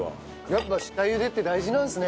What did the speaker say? やっぱ下茹でって大事なんですね。